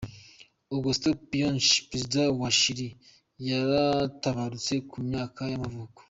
Augusto Pinochet, perezida wa wa Chili yaratabarutse ku myaka y’amavuko.